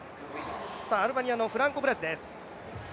アルマニアのフランコ・ブラジです